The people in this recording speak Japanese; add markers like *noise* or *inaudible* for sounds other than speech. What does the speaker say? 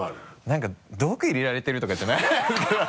何か毒入れられてるとかじゃない *laughs*